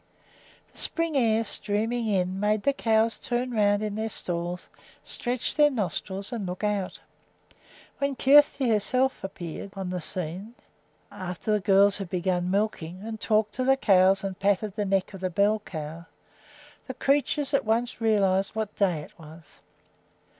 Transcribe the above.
The spring air streaming in made the cows turn around in their stalls, stretch their nostrils, and look out. When Kjersti herself appeared on the scene, after the girls had begun milking, and talked to the cows and patted the neck of the bell cow, the creatures at once realized what day it was.